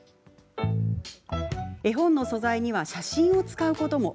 絵本の素材には写真を使うことも。